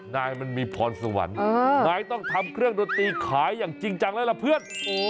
นายมันมีพรสวรรค์นายต้องทำเครื่องดนตรีขายอย่างจริงจังเลยล่ะเพื่อน